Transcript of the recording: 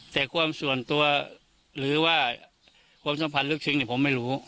แต่ความส่วนตัวหรือว่าความสัมพันธ์ลึกซึ้งผมไม่รู้